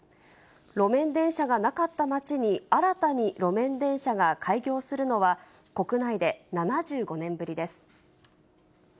路面電車がなかった街に新たに路面電車が開業するのは、国内で７５年ぶりです。